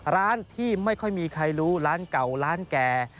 ร้านที่ไม่ค่อยมีใครรู้ร้านเก่าร้านแก่